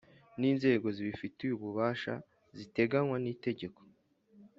N inzego zibifitiye ububasha ziteganywa n itegeko